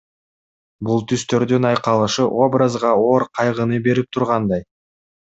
Бул түстөрдүн айкалышы образга оор кайгыны берип тургандай.